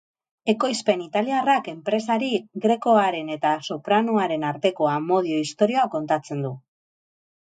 Ekoizpen italiarrak enpresari grekoaren eta sopranoaren arteko amodio istorioa kontatzen du.